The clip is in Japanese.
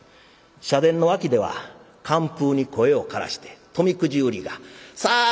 社殿の脇では寒風に声をからして富くじ売りが「さあ